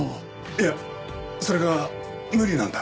いやそれが無理なんだ。